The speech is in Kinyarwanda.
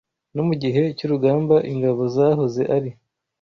No mu gihe cy’urugamba, ingabo zahoze ari